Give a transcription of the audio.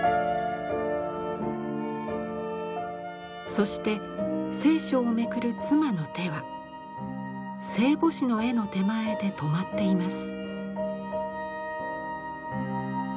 そして聖書をめくる妻の手は聖母子の絵の手前で止まっています。